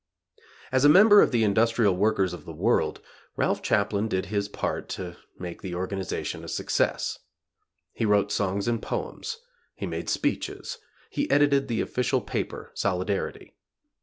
As a member of the Industrial Workers of the World, Ralph Chaplin did his part to make the organization a success. He wrote songs and poems; he made speeches: he edited the official paper, "Solidarity".